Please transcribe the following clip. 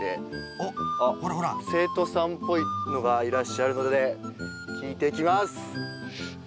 おっほらほらあっ生徒さんっぽいのがいらっしゃるので聞いてきます。